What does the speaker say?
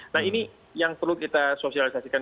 nah ini yang perlu kita sosialisasikan